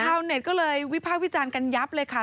ชาวเน็ตก็เลยวิพากษ์วิจารณ์กันยับเลยค่ะ